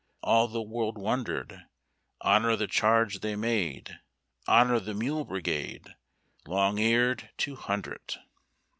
All the world wondered. Honor the charge they made ! Honor the Mule Brigade, Long eared two hundred